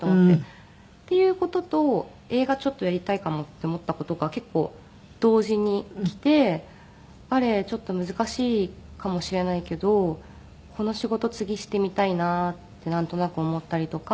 っていう事と映画ちょっとやりたいかもって思った事が結構同時にきてバレエちょっと難しいかもしれないけどこの仕事次してみたいなってなんとなく思ったりとか。